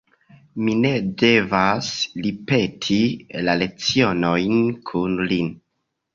Mi devas ripeti la lecionojn kun li.